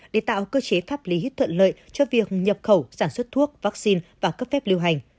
để tạo cơ chế pháp lý thuận lợi cho việc nhập khẩu sản xuất thuốc vaccine và cấp phép lưu hành